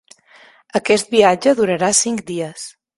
Aquest viatge durarà cinc dies.